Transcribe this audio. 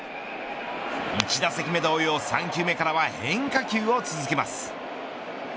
１打席目同様３球目からは変化球を続けます。